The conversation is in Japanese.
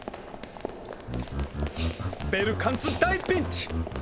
ベルカンツ大ピンチ！